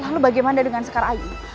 lalu bagaimana dengan sekar ayu